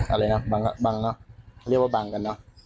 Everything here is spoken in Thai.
อะไรนะบางเรียกว่าบางกัน